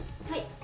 はい。